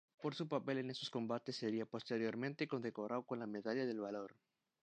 Por su papel en estos combates sería posteriormente condecorado con la Medalla del Valor.